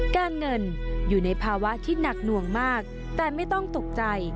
การเงินอยู่ในภาวะที่หนักหน่วงมากแต่ไม่ต้องตกใจ